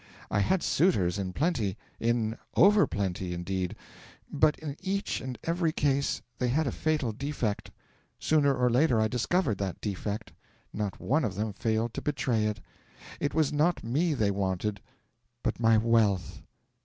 I had suitors in plenty in over plenty, indeed but in each and every case they had a fatal defect: sooner or later I discovered that defect not one of them failed to betray it it was not me they wanted, but my wealth.'